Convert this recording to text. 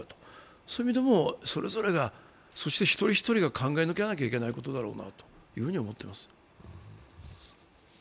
そういう意味でも、それぞれが、そして一人一人が考えなきゃいけないことだろうなと思います